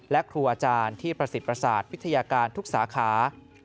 และครูอาจารย์ที่ประสิทธิประสาทวิทยาการทุกสาขา